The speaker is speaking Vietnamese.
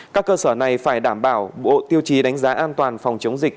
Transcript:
các cơ sở này phải đảm bảo bộ tiêu chí đánh giá an toàn phòng chống dịch